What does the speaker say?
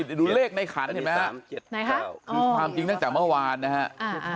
นี่ดูเลขในขันเห็นไหมฮะไหนฮะคือความจริงจากเมื่อวานนะฮะอ่าอ่า